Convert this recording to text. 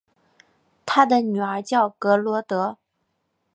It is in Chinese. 他的女儿叫格萝德。